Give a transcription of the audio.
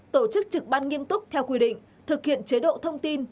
tổ chức trực ban nghiêm túc theo quy định thực hiện chế độ thông tin